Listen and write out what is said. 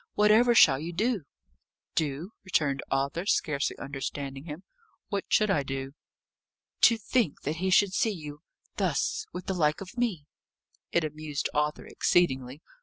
Whatever shall you do?" "Do!" returned Arthur, scarcely understanding him. "What should I do?" "To think that he should see you thus with the like of me!" It amused Arthur exceedingly.